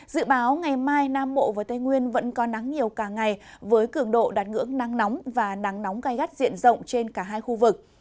dự báo ngày mai nam bộ và tây nguyên vẫn có nắng nhiều cả ngày với cường độ đạt ngưỡng nắng nóng và nắng nóng gai gắt diện rộng trên cả hai khu vực